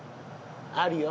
あるよ。